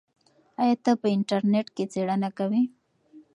آیا ته په انټرنیټ کې څېړنه کوې؟